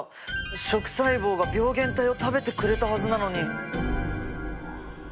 食細胞が病原体を食べてくれたはずなのに。